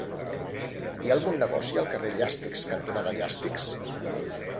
Hi ha algun negoci al carrer Llàstics cantonada Llàstics?